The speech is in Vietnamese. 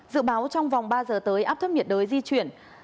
dự báo trong vòng ba giờ tới áp thấp nhiệt đới di chuyển